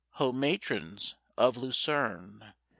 Ho, matrons of Lucerne!